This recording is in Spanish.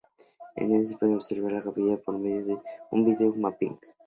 En ellas se puede observar la capilla por medio de un vídeo mapping.